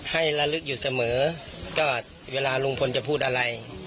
ระลึกอยู่เสมอก็เวลาลุงพลจะพูดอะไร